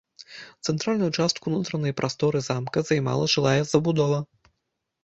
Цэнтральную частку ўнутранай прасторы замка займала жылая забудова.